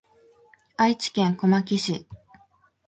愛知県小牧市